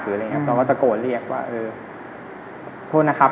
หรืออะไรเงี้ยบ้าง๙๑๑เราก็ตะโกฎเรียกว่าเออโทษนะครับ